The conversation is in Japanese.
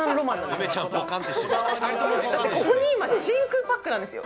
ここに今、真空パックなんですよ。